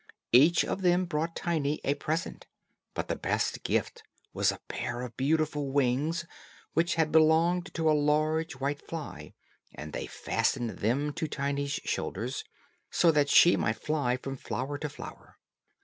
Each of them brought Tiny a present; but the best gift was a pair of beautiful wings, which had belonged to a large white fly and they fastened them to Tiny's shoulders, so that she might fly from flower to flower.